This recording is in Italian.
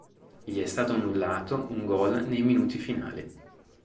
Gli è stato annullato un gol nei minuti finali.